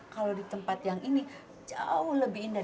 kalau di tempat yang ini jauh lebih indah